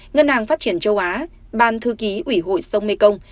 ngân hàng phát triển châu á ban thư ký ủy hội sông mekong